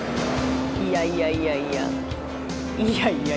いやいやいやいやいやいやいや。